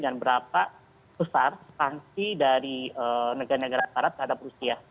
dan berapa besar sanksi dari negara negara arab terhadap rusia